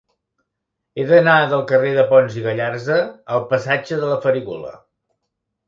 He d'anar del carrer de Pons i Gallarza al passatge de la Farigola.